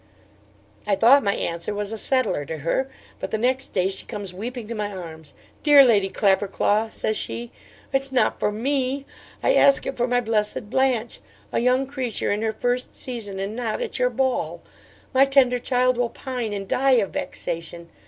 'I thought my answer was a settler to her: but the next day she comes weeping to my arms "Dear Lady Clapperclaw," says she, "it's not for ME; I ask it for my blessed Blanche! a young creature in her first season, and not at your ball! My tender child will pine and die of vexation.